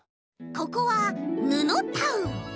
ここはぬのタウン。